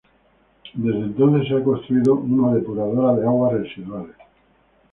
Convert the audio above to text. Desde entonces se ha construido una depuradora de aguas residuales.